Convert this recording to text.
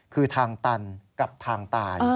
คือทางตันกับทางตาย